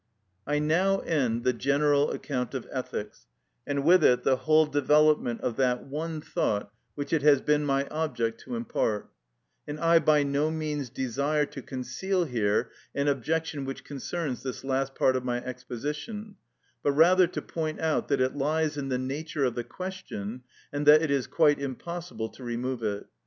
§ 71. I now end the general account of ethics, and with it the whole development of that one thought which it has been my object to impart; and I by no means desire to conceal here an objection which concerns this last part of my exposition, but rather to point out that it lies in the nature of the question, and that it is quite impossible to remove it.